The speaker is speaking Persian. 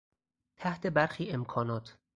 تحت برخی امکانات